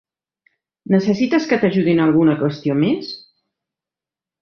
Necessites que t'ajudi en alguna qüestió més?